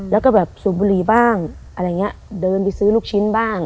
แล้วก็แบบสูบบุหรี่บ้างอะไรอย่างเงี้ยเดินไปซื้อลูกชิ้นบ้าง